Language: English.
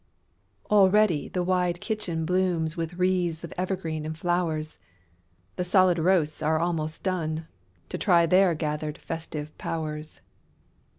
Already the wide kitchen blooms With wreaths of evergreens and flowers, The solid roasts are almost done, To try their gathered festive powers.